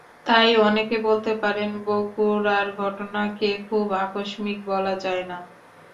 তাই অনেকে বলতে পারেন, বগুড়ার ঘটনাকে খুব আকস্মিক বলা যায় না।